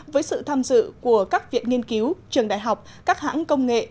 với sự tham dự của các viện nghiên cứu trường đại học các hãng công nghệ